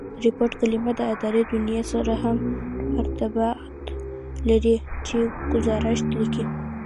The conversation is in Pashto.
ریپوټ کلیمه د اداري دونیا سره هم ارتباط لري، چي ګوزارښ لیکي.